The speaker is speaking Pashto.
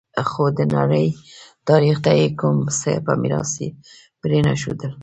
خو د نړۍ تاریخ ته یې کوم څه په میراث پرې نه ښودل